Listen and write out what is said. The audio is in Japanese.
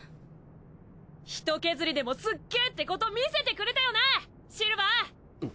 １ケズリでもすっげぇってこと見せてくれたよなシルヴァー！